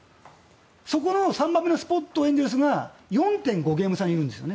そこの３番目のスポットエンゼルスが４．５ゲーム差にいるんです。